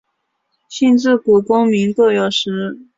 信自古功名各有时。